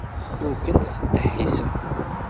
Ur kent-ttdeḥḥiseɣ.